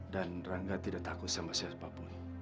dan rangga tidak takut sama siapa pun